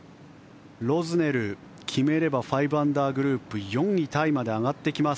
ロズネル、決めれば５アンダーグループ４位タイまで上がってきます。